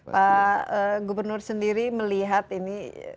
pak gubernur sendiri melihat ini